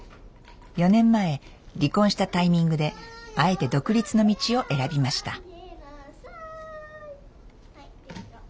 ４年前離婚したタイミングであえて独立の道を選びました。